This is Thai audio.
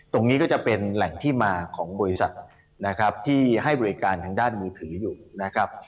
ตรงนี้ก็จะเป็นแหล่งที่มาของบริษัทนะครับที่ให้บริการทางด้านมือถืออยู่นะครับ